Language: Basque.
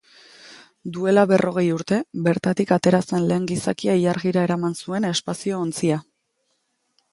Duela berrogei urte, bertatik atera zen lehen gizakia ilargira eraman zuen espazio-ontzia.